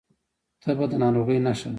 تبه د ناروغۍ نښه ده